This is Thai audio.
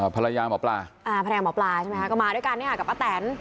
ภรรยาหมอปลาอ่าภรรยาหมอปลาใช่ไหมคะก็มาด้วยกันเนี่ยค่ะกับป้าแตน